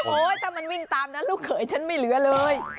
ถ้ามันวิ่งตามนั้นลูกเขยฉันไม่เหลือเลย